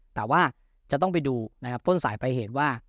แต่ว่าจะต้องไปดูนะครับต้นสายไปเหตุว่า